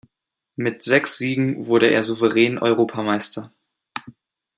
Mit sechs Siegen wurde er souverän Europameister.